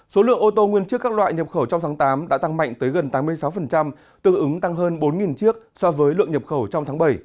số lượng ô tô nguyên trước các loại nhập khẩu trong tháng tám đã tăng mạnh tới gần tám mươi sáu tương ứng tăng hơn bốn chiếc so với lượng nhập khẩu trong tháng bảy